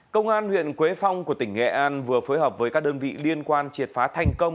công an huyện quế phong của tỉnh nghệ an vừa phối hợp với các đơn vị liên quan triệt phá thành công